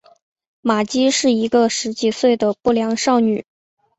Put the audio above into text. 玛姬是一个十几岁的不良少女。